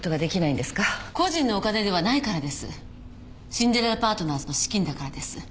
シンデレラパートナーズの資金だからです。